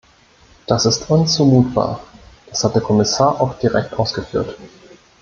Das ist unzumutbar! Das hat der Kommissar auch direkt ausgeführt.